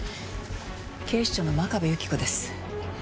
警視庁の真壁有希子です。